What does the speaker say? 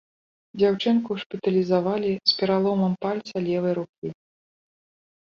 Дзяўчынку шпіталізавалі з пераломам пальца левай рукі.